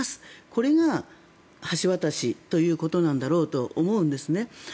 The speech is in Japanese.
これが橋渡しということなんだろうと思うんですね。